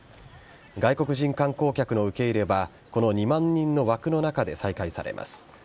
外国人観光客の受け入れはこの２万人の枠の中で再開されます。